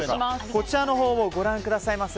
こちらをご覧ください。